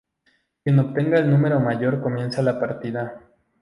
Quien obtenga el número mayor comienza la partida.